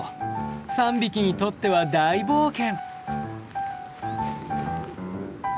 ３匹にとっては大冒険。